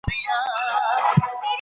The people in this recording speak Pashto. ایا داسې څوک سته چي دوه ځله ووژل سي؟